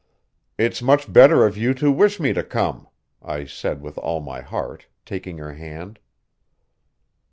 "It's much better of you to wish me to come," I said with all my heart, taking her hand.